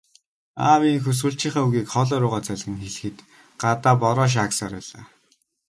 Аав ийнхүү сүүлчийнхээ үгийг хоолой руугаа залгин хэлэхэд гадаа бороо шаагьсаар байлаа.